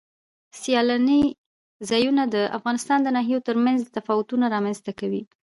سیلانی ځایونه د افغانستان د ناحیو ترمنځ تفاوتونه رامنځ ته کوي.